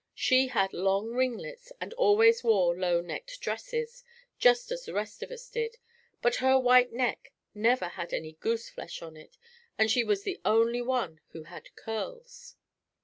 She had long ringlets and always wore lownecked dresses, just as the rest of us did, but her white neck never had any gooseflesh on it and she was the only one who had curls.